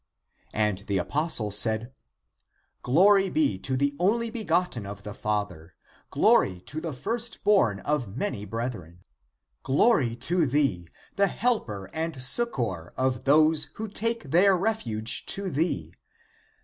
And the apostle said, " Glory be to the only begotten of the Father; ^^ glory to the first born of many brethren; ^^ glory to thee, the helper and succor of those who take their refuge to thee.